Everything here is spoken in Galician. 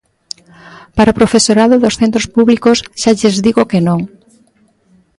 Para o profesorado dos centros públicos xa lles digo que non.